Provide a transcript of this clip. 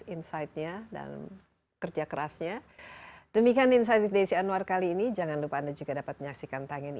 insightnya dan kerja kerasnya demikian insight with desi anwar kali ini jangan lupa anda juga dapat menyaksikan tangan